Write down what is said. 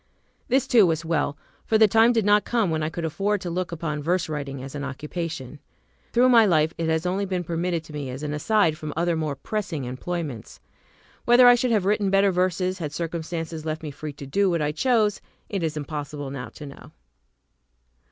This too was well, for the time did lot come when I could afford to look upon verse writing as an occupation. Through my life, it has only been permitted to me as an aside from other more pressing employments. Whether I should have written better verses had circumstances left me free to do what I chose, it is impossible now to know.